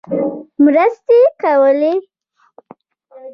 مرستې کولې.